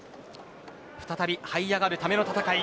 再び這い上がるための戦い